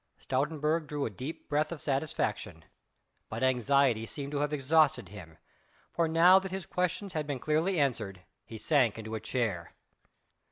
Stoutenburg drew a deep breath of satisfaction: but anxiety seemed to have exhausted him, for now that his questions had been clearly answered, he sank into a chair.